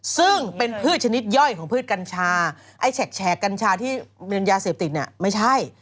ซึ่งเป็นพืชชนิดย่อยของพืชกัญชาไอ้แฉกกัญชาที่เป็นยาเสพติดเนี่ยไม่ใช่